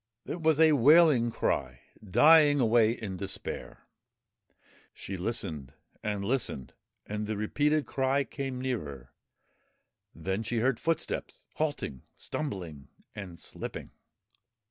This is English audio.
It was a wailing cry, dying away in despair. She listened and listened, and the repeated cry came nearer ; then she heard footsteps halting, stumbling and slipping.